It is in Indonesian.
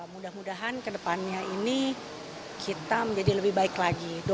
mudah mudahan kedepannya ini kita menjadi lebih baik lagi